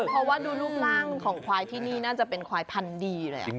เพราะว่าดูรูปร่างของควายที่นี่น่าจะเป็นควายพันธุ์ดีเลย